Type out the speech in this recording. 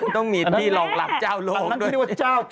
ต้องมีพี่หลอกหลับเจ้าโลกด้วย